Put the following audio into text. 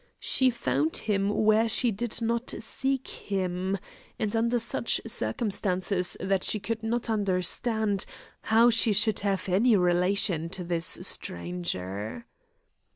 She found him where she did not seek him, and under such circumstances that she could not understand how she should have any relation to this stranger.